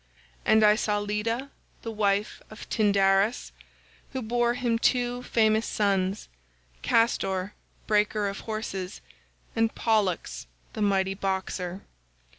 "And I saw Leda the wife of Tyndarus, who bore him two famous sons, Castor breaker of horses, and Pollux the mighty boxer.